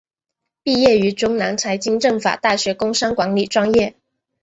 毕业于中南财经政法大学工商管理专业。